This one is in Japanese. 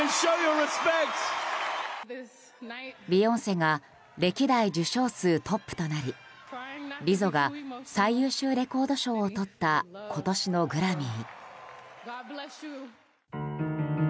ビヨンセが歴代受賞数トップとなりリゾが最優秀レコード賞をとった今年のグラミー。